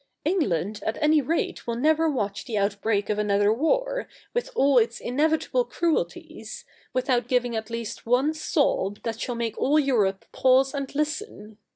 England at any rate will never watch the outbreak of another war, with all its inevitable CH. i] THE NEW REPUBLIC 201 cruelties, without giving at least one sob that shall make all Europe pause and listen.